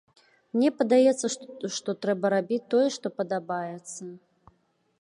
Мне падаецца, што трэба рабіць тое, што падабаецца.